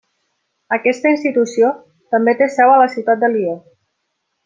Aquesta institució també té seu a la ciutat de Lió.